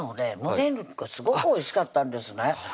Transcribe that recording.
胸肉がすごくおいしかったんですね